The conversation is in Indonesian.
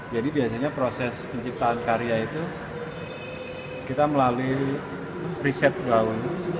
jadi biasanya proses penciptaan karya itu kita melalui riset gaun